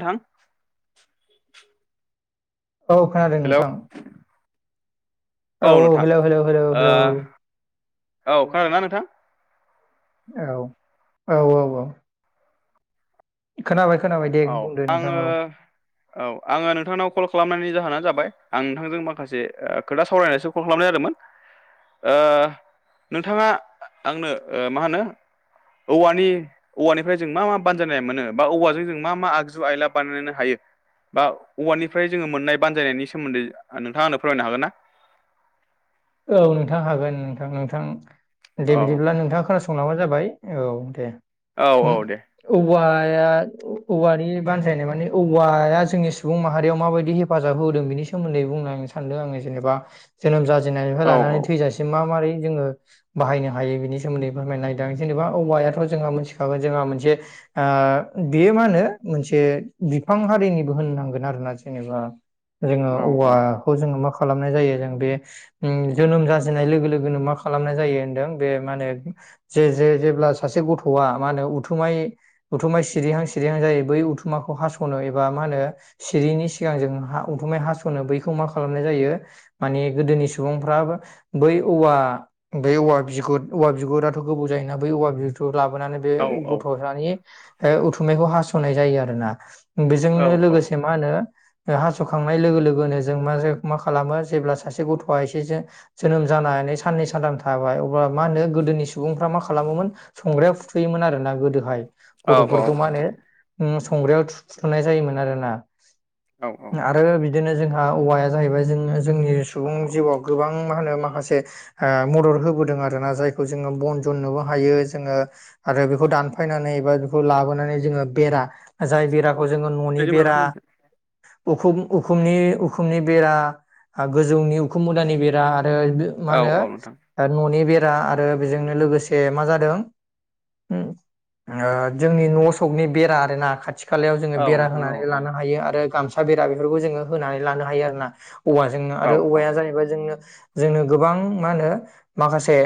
थां औ खोनादों हेलौ नोंथां। औ नोंथां हेलौ हेलौ हेलौ हेलौ औ खोनादों ना नोंथां। औ औ। खोनाबाय खोनाबाय। दे औ बुंदो नोंथां आङो। औ औ आङो नोंथांनाव कल खालामनायनि जाहोनानो जाबाय आं नोंथांजों माखासे खोथा सावरायनोसो कल खालामनाय जादोंमोन नोंथाङा आंनो मा होनो औवानि औवानिफ्राय जों मा मा बानजायनाय मोनो बा औवाजों? मा मा आगजु आयला बानायनो हायो? बा औवानिफ्राय जोङो मोननाय बानजायनायनि सोमोन्दै नोंथां आ आंनो फोरमायनो हागोन ना। औ नोंथां हागोन नोंथां नोंथां दे औ बिदिब्ला नोंथां खोनासं संलबानो जाबाय औ दे। औ उम, औ दे। औवाया औवानि बानजायनाय माने औवाया जोंनि सुबुं माहारियाव माबादि हे हेफाजाब होदों बेनि सोमोन्दै बुंलांनो सानदों आङो जेनेबा जोनोम जाजेननायनिफ्राय औ औ लानानै थैजासिम मा मारै जोङो बाहायनो हायो बिनि सोमोन्दै फोरमायनायदों जेनेबा औवायाथ' जोंहा मोनथिखागोन जोंहा मोनसे। बेयो मा होनो मोनसे बिफां हारिनिबो होननांगोन आरोना जेनेबा। जोङो औ औ औवाखौ जोङो मा खालामनाय जायो जों ब ओ जोनोम जाजेननाय लोगो लोगोनो मा खालामनाय जायो होनदों बे मा होनो जे जे जेब्ला सासे गथ'आ मा होनो उथुमाय। उथुमा सिरिहां सिरिहां जायो बै उथुमाखौ हास'नो एबा मा होनो। सिरियिनि सिगां जों उथुमै हास'नो बैखौ मा खालामनाय जायो माने गोदोनि समाव। सुबुंफ्राबो बै औवा बै औवा बिगुर औवा बिगुराथ' गोबोव जायोना बै औवा लाबोनानै बे औ गथ'सानि उथुमैखौ हास'नाय जायो आरो ना। औ बेजोंनो लोगोसे मा होनो हास'खांनाय लोगो लोगोनो जों मा मा खालामो जेब्ला सासे गथ'आ एसे जो जोनोम जानानै साननै सानथाम थाबाय अब्ला मा होनो गोदोनि सुबुंफ्रा मा खालामोमोन संग्राइयाव फुथुयोमोन आरोना गोदोहाय। गथ'फोरखौ मा औ होनो संग्राइयाव फुथुनाय जायोमोन आरोना। आरो बिदिनो जोंहा औवाया जाहैबाय जोङो जोंनि जिउआव गोबां मा होनो माखासे मदद होबोदों आर ना जायखौ जोङो बन जनोबो हायो जोङो। आरो बेखौ दानफायनानै एा बेखौ लाबोनानै जोङो बेरा जाय बेराखौ जोङो न'नि औ बेरा औ ऊखुम उखुमनि उखुमनि बेरा गोजौनि उखुम मुदानि बेरा आरो मा औ औ होनो नोंथां न'नि बेरा आरो बेजोंनो लोगोसे मा जादों? जोंनि न' सखनि बेरा आर ना खाथि खा खाथि खालायाव जोङो औ बेरा नोंथां औ होनानै औ लानो हायो आरो गामसा बेरा बेफोरखौ जोङो होनानै लानो हायो आरो ना। औवाजोंनो औ आरो औवाया जाहैबाय जोंनो जोंनो गोबां मा होनो माखासे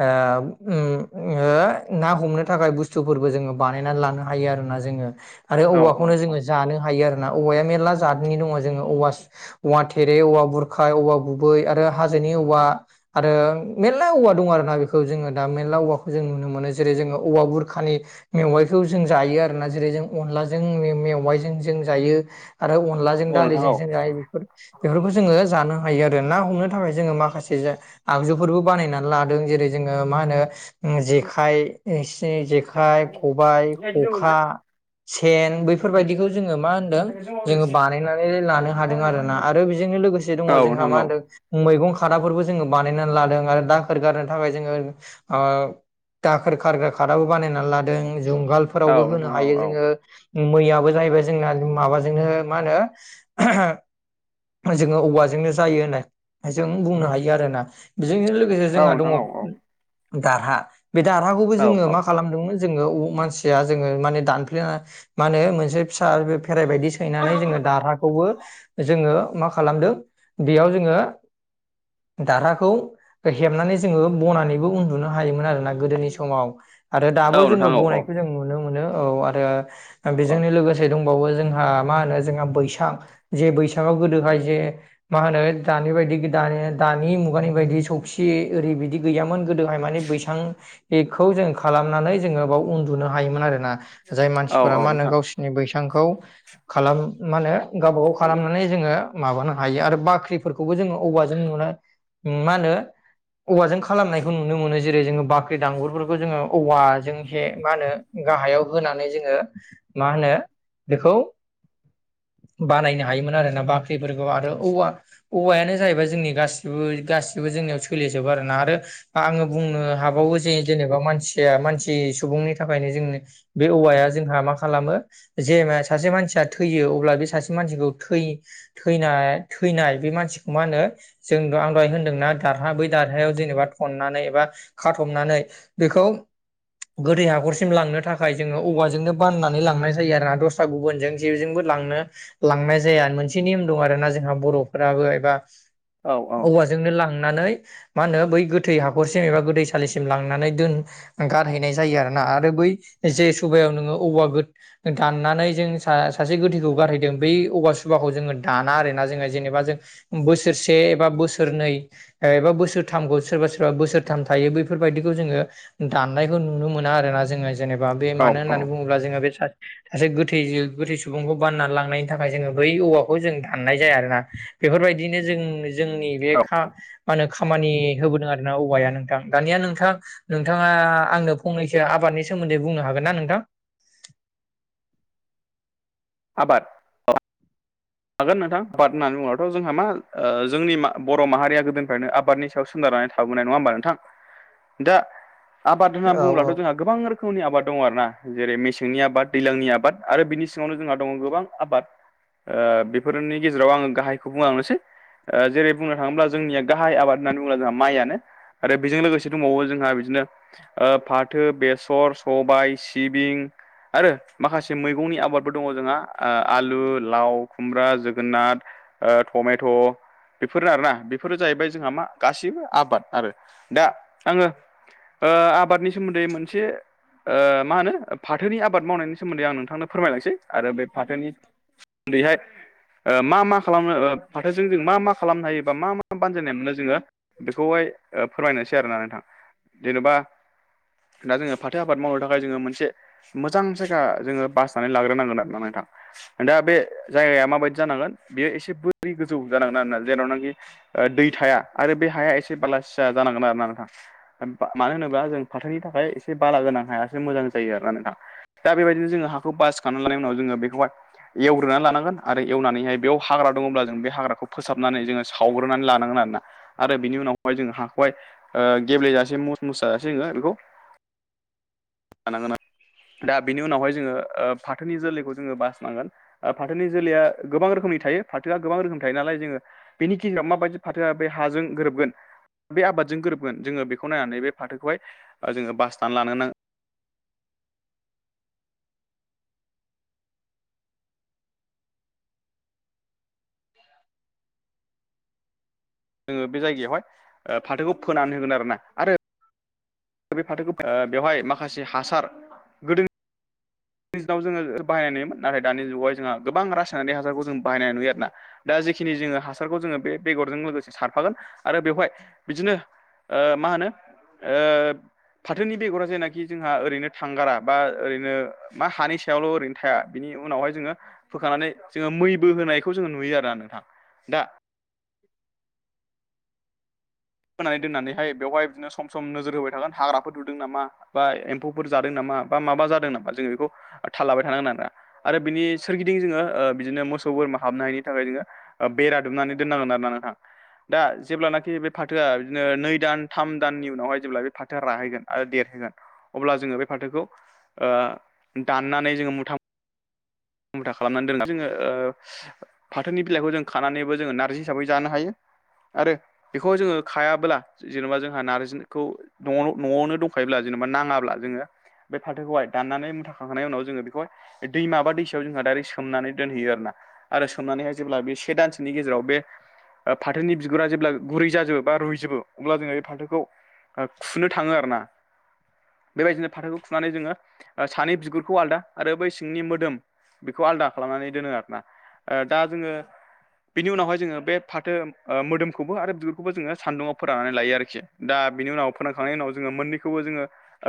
ना हमनो थाखाय बुस्थुफोरबो जोङो बानायना लानो हागौ। हायो आरोना जोङो आरो औ औवाखौनो औ जोङो जानो हायो आरोना औवाया मेर्ला जादनि दङ जोङो औवा औवा थेरे औवा बुरखाय औवा गु बै आरो हाजोनि औवा आरो मेरला औवा दं आरोना बेखौ जोङो दा मेरला औवाखौ जों नुनो मोनो जेरै जोङो औवा बुरखानि मेवाइखौ जों जायो आरोना जेरै जों अनलाजों मेवाइजों जों जायो। आरो अनलाजों औ नोंथां दालिजों जों औ जायो बेफोर बेफोरखौ जोङो जानो हायो आरो। आरो ना हमनो थाखाय जोङो माखासे आगजुफोरबो बानायनानै लादों जेरै जोङो मा होनो? जेखाइ जेखाइ, खबाइ, खखा सेन बैफोरबायदिखौ जोङो मा होनदों जोङो बानायनानै लानो हादों आरोना आरो बेजोंनो लोगोसे दङ औ नोंथां जोंहा मा औ होनो मैगं खादाफोरबो जोङो बानायनानै लादों आरो दाखोर गारनो थाखाय जोङो दाखोर खारग्रा खादाबो बानायनानै लादों औ जुंगालफोरावबो नोंथां होनो औ हायो औ जोङो। मैयाबो जाहैबाय जोंना माबाजोंनो मा होनो जोङो औवाजोंनो जायो होननाय जों बुंनो हायो आरो ना बेजोंजों लोगोसे औ जोंहा दङ नोंथां औ औ दारहा बे दारहाखौबो औ जोङो मा औ खालामदोंमोन। जोङो मानसिया जोङो माने दानफ्लेना माने मोनसे फिसा बे खेराइ बायदि सैनानै जोङो दारहाखौबो जोङो मा खालामदों बेयाव जोङो। दारहाखौ हेबनानै जोङो बनानैबो उन नुनो हायोमोन आरोना गोदोनि समाव आरो दाबो औ जोङो नोंथां औ औ बनायखौ जोङो नुनो मोनो औ आरो औ बेजोंनो लोगोसे दंबावो जोंहा मा होनो जोंहा बैसां जे बैसांआव गोदोहाय जे मा होनो दानि बायदि दानि दानि मुगानि बायदि सौखि ओरै बिदि गैयामोन गोदोहाय माने बैसां बेखौ जों खालामनानै जोङो बाव उन्दुनो हायोमोन आरोना जाय औ मानसिफोरा औ मा होनों नोंथां गावसोर। बैसांखौ खालामो मा होनो गावबा गाव खालामनानै जोङो माबानो हायो आरो बाख्रिफोरखौबो जोङो औवाजों नुनो मा होनो? औवाजों खालामनायखौ नुनो मोनो जेरै जोङो बाख्रि दांगगुरफोरखौ जोङो औवाजों हेब मा होनो? गाहायाव होनानै जोङो मा होनो बेखौ बानायनो हायोमोन आरो ना बाख्रिफोरखौ आरो औवा। औवायानो जाहैबाय जोंनि गसिबो गासिबो जोंनियाव सोलिजोबो आरोना आरो ना। आङो बुंनो हाबावो जे जेनेबा मानसिया मानसि सुबुंनि थाखायनो बे औवाया जोंहा मा खालामो जे सासे मानसिया थैयो अब्ला बे सासे मानसिखौै थैनाय थैनाय बे मानसि मानसिखौ मा होनो जों आं दहाय होनदोंनाा दारहा बै दारहायाव जेनेबा थननानै एबा खाथबनानै बेखौ गोदै हाखरसिम लांनो थाखाय जोङो औवाजोंनो बाननानै लांनाय जायो आरोना दस्रा गुबुनजों ज जेजोंबो लांनो लांनाय जाया मोनसे नेम दं आरोना जोंहा बर'फोराबो लाइक औ [unintelligible] औ औवाजोंनो लांनानै मा होनो बै गोथै हाखरसिम एबा गोथैसालिसिम लांनानै दोनो गारहैनाय जायो आरो ना आरो बै जे सुबभायाव नोङो औवा गो दाननानै जा जों स सासे गोथैखौ गारहैदों बै औवा सुबाखौ जोङो दाना आरो ना जोङो जेनेबा जों बोसोरसे एबा बोसोरनै ओ एबा बोसोरथामखौ सोरबा सोरबा बोसोरथाम थायो बैफोरबायदिखौ जोङो दाननायखौ नुनो मोना आरोना जोङो जेनेबा बे औ मानो होननानै बुङोब्ला जोङो बे सा सासे गोथै गोथै सुबुंखौ बानना लांनायनि थाखाय जोङो बै औवाखौ जों दाननाय जाया आरो ना। बेफोरबायदिनो जों जोंनि बे औ खा मा होनो खामानि होबोदों आरोना औवाया नोंथां दानिया नोंथां। नोंथाङा आंनो फंनैसो आबादनि सोमोनदै बुंनो हागोन ना नोंथां? आबाद हागोन नोंथां आबाद होन्नानै बुङोबाथ' जोंहा मा जोंनि मा बर' माहारिया गोदोनिफ्रायनो आबादनि सायाव‌ सो सारनानै थाबोनाय नङा होमबा नोंथां दा आबाद होनना औ औ बुङब्लाथ' जोंहा गोबां रोखोमनि आबाद दङ आरोना जेरै मेसेंनि आबाद, दैज्लांनि आबाद आरो बिनि सिङावनो जोंहा दङ गोबां आबाद बेफोरनि गेजेराव आङो गाहायखौ बुंलांनोसै। जेरै बुंनो थाङोब्ला जोंनिया गाहाय आबाद होननानै बुङोब्ला जोंहा माइआनो। आरो बेजों लोगोसे दंबावो जोंहा बिदिनो ओ फाथो बेसर सबाय सिबिं आरो माखासे मैगंनि आबादबो दङ जोंहा आ-आलु लाव खुमब्रा, जोगोनार ओ टमेट'। बेफोर आरोना बेफोरो जाहैबाय जोंहा मा गासैबो आबाद आरो दा आङो ओ आबादनि सोमोन्दै मोनसे ओ मा होनो फाथोनि आबाद मावनायनि सोमोनदै आं नोंथांनो फोरमायलांसै आरो बे फाथोनि ओरैहाय मा मा खालामनो फाथोजों जों मा मा? खालामनो हायोबा मा मा बानजायनाय मोननो जोङो बेखौहाय फोरमायनोसै आरोना नोंथां। जेनेबा दा जोङो फाथो आबाद मावनो थाखाय जोङो मोनसे मोजां जायगा जोङो बासनानै लाग्रोनांगोन आरो ना नोंथां दा बे। जायगाया माबायदि जानांगोन बियो एसे बोरै गोजौ जानांगोन आरोना जेरावनाखि ओ दै थाया आरो बे हाया एसे बालासिया जानांगोन आरो ना नोंथां मानो होनोबा जों फाथोनि थाखाय एसे बाला गोनां हायासो मोजां जायो आरो ना नोंथाङा दा बेबायदिनो जोङो हाखौ बासिखांनानै लानाय उनाव जोङो बेखौहाय एवग्रोनानै लानांगोन आरो एवनानैहाय बेयाव हाग्रा दङब्ला जों बे हाग्राखौ फोसाबनानै जोङो सावग्रोनानै लानांगोन आरोना आरो बिनि उनावहाय जोङो हाखौहाय ओ गेब्लेजासे मुस मुस जाजासे जोङो बेखौ जानांगोन दा बिनि उनावहाय जोङो ओ फाथोनि जोलैखौ जोङो बासिनांगोन ओ फाथोनि जोलैया गोबां रोखोमनि थायो फाथोआ गोबां रोखोम थायो नालाय जोङो बेनि गेजेराव माबायदि फाथोआ बे हाजों गोरोबगोन बे आबादजों गोरोबगोन जोङो बेखौ नायनानै बे फाथोखौहाय जोङो बासनानै लानो नां जोङो बे जायगायावहाय फाथोखौ फोनानै होगोन आरोना आरो बे फाथोखौ बेवहाय माखासे हासार गोदो गोदोनि दिनाव जोङो बायनाय ना दानि जुगावहाय जोंहा गोबां रासायनारि हासारखौ जों बाहायनाय नुयो आरोना दा जिखिनि जोङो हासारखौ जोङो बे बेगरजों लोगोसे सारफागोन आरो बेवहाय बिदिनो ओ मा होनो ओ फाथोनि बेगरा जायनाखि जोंहा ओरैनो थांगारा बा ओरैनो मा हानि सायावल' ओरैनो थाया बिनि उनावहाय जोङो फोखानानै जोङो मैबो होनायखौ जोङो नुयो आरोना नोंथां दा फोनानै दोननानैहाय बेवहाय बिदिनो सम सम नोजोर होबाय थागोन हाग्राफोर दुदों नामा बा एमफौफोर जादों नामा बा माबा जादों नामा जोङो बेखौ थाल लाबाय थानांगोन आरोना आरो बिनि सोरगिदिं जोङो ओ बिदिनो मोसौ बोरमा हाबनो हायै थाखाय जोङो बेरा दुमनानै दनांगोन आरोना नोंथां दा जेब्लानाखि फाथोआ बिदिनो नै दान थाम दाननि उनावहाय जेब्ला बे फाथो आ राहैगोन देरहोगोन अब्ला जोङो बे फाथोखौ ओ दाननानै जोङो मुथा मुथा खालामनानै दोनगोन जोङो फाथोनि बिलाइखौ जों खानानैबो जोङो नारजि हिसाबै जानो हायो आरो बेखौ जोङो खायाबोला जेनेबा जोंहा नारजिखौ न'आवनो दंखायोब्ला जेनेबा नाङाब्ला जोङो बे फाथोखौहाय दाननानै मुथाखांनाय उनाव जोङो बेखौहाय दैमा बा दैसा आव जोंहा दरट सोमनानै दोनहैयो आरोना आरो सोमनानैहाय जेब्ला बे से दानसोनि गेजेराव बे फाथोनि बिगुरा जेब्ला गुरै जाजोबो बा रुइजोबो अब्ला जोङो बे फाथोखौ खुनो थाङो आरो ना बेबायदिनो फाथोखौ खुनानै जोङो सानि बिगुरखौ आलादा आरो बै सिंनि मोदोम बेखौ आलदा खालामनानै दोनो आरोना ओ दा जोङो बिनि उनावहाय जोङो बे फाथो मोदोमखौबो आरो बिगुरखौबो जोङो सानदुङाव फोराननानै लायो आरोखि दा बिनि उनाव फोनांखांनायनि उनाव जोङो मोननैखौबो जोङो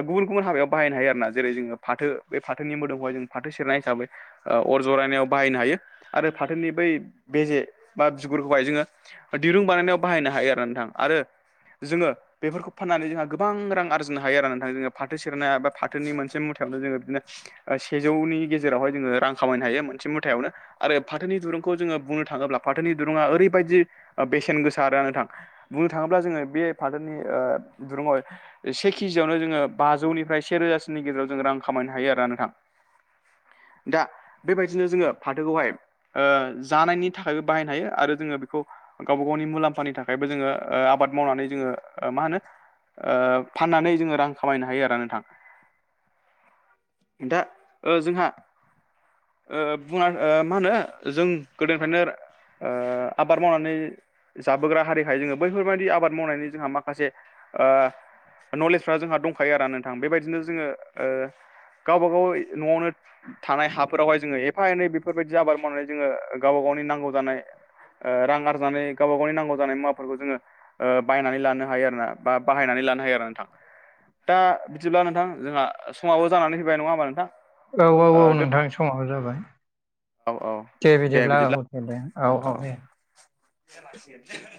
गुबुन गुबुन हाबायाव बाहायनो हायो आरो ना जेरै जोङो फाथो बे फाथोनि मोदोमखौहाय जों फाथो सेरनाय हिसाबै अर जरायनायाव बाहायनो हायो आरो फाथोनि बै बेजे बा बिगुरखौहाय जोङो दिरुं बानायनायाव बाहायनो हायो आरोना नोंथां आरो जोङो बेफोरखौ फाननानै जोंहा गोबां रां आरजिनो हायो आरो नोंथां जोङो फाथो सेरनाया बा फाथोनि मोनसे मुथायावनो जोङो बिदिनो सेजौनि गेजेरावहाय जोङो रां खामायनो हायो मोनसे मुथायावनो आरो फाथोनि दुरुंखौ जोङो बुंनो थाङोब्ला फाथोनि दुरुङा ओरैबायदि बेसेन गोसा आरो ना नोंथां बुंनो थाङोब्ला जोङो बे फाथोनि ओ दुरुङाव से केजियावनो जोङो बाजौनिफ्राय से रोजासोनि गेजेराव जोङो रां खामनो हायो आरोना नोंथां दा बेबायदिनो जोङो फाथोखौहाय जानायनि थाखायबो बाहायनो हायो आरो जोङो बेखौ गावबा गावनि मुलाम्फानि थाखायबो जोङो ओ आबाद मावनानै जोङो मा होनो ओ फाननानै जोङो रां खामायनो हायो आरो नोंथां दा ओ जोंहा ओ बुंना ओ मा होनो जों गोदोनिफ्रायनो ओ आबाद मावनानै जाबोग्रा हारिखाय जोङो बैफोरबायदि आबाद मावनायनि जोंहा माखासे ओ नलेजफ्रा जोंहा दंखायो आरोना नोंथां बेबायदिनो जोङो ओ गावबा गाव न'आवनो थानाय हाफोरावहाय जोङो एफा एनै बेफोरबायदि आबाद मावनानै जोङो गावबा गावनि नांगौ जानाय ओ रां आरजिनानै गावबा गावनि नांगौ जानाय मुवाफोरखौ जोङो ओ बायनानै लानो हायो आरो ना बा बाहायनानै लानो हायो आरो नोंथां दा बिदिब्ला नोंथां जोंहा समावबो जानानै फैबाय नङा होमबा नोंथां औ औ ओ औ दोन नोंथां समाबो जाबाय दे बिदिब्ला औ दे दे औ औ दे [unintelligible]